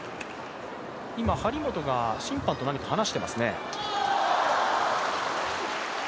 今張本が審判と何か話してますね。